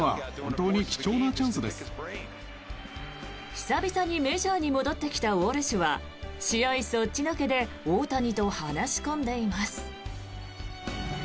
久々にメジャーに戻ってきたウォルシュは試合そっちのけで大谷と話し込んでいます。